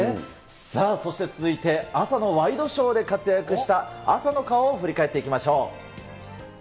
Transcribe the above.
さあ、そして続いて、朝のワイドショーで活躍した朝の顔を振り返っていきましょう。